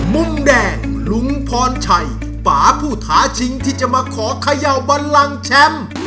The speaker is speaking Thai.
มุมแดงลุงพรชัยป่าผู้ท้าชิงที่จะมาขอเขย่าบันลังแชมป์